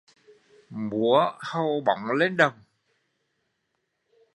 Múa hầu bóng lên đồng